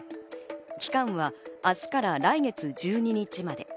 期間は明日から来月１２日まで。